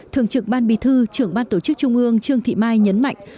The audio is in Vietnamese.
thường trực ban bì thư trưởng ban tổ chức trung ương trương thị mai nhấn mạnh